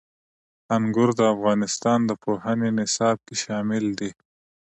انګور د افغانستان د پوهنې نصاب کې شامل دي.